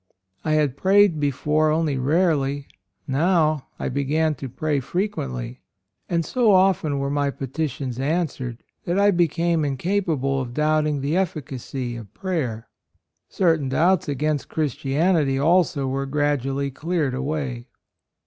I had prayed before only rarely, now I began to pray frequently; and so often were my peti tions answered that I became incapable of doubting the effi cacy of prayer. Certain doubts against Christianity also were gradually cleared away."